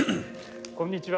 こんにちは。